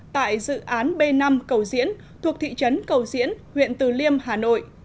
tại dự án b năm cầu diễn thuộc thị trấn cầu diễn huyện từ liêm hà nội